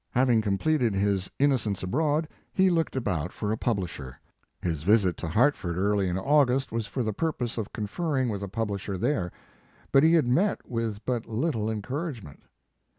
Having completed his Innocents Abroad, " he looked about for a publisher. His visit to Hartford early in August, was for the purpose of confering with a publisher there, but he had met with but little en couragement.